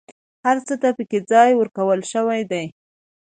هر څه ته پکې ځای ورکول شوی دی.